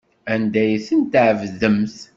Anda ay tent-tɛebdemt?